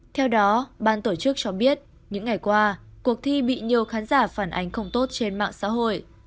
theo đó ban tổ chức cho biết những ngày qua cuộc thi bị nhiều khán giả phản ánh không tốt trên mạng xã hội